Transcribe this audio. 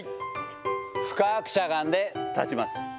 深くしゃがんで、立ちます。